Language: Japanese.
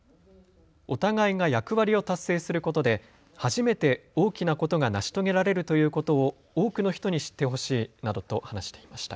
お互いが役割を達成することで初めて大きなことが成し遂げられるということを多くの人に知ってほしいなどと話していました。